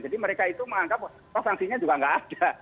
jadi mereka itu menganggap oh sanksinya juga nggak ada